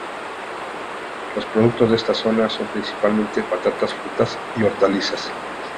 Los productos de esta zona son principalmente patatas, frutas y hortalizas.